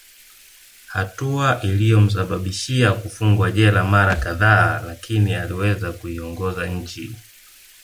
Hatua iliyomsababishia kufungwa jela mara kadhaa lakini aliweza kuiongoza nchi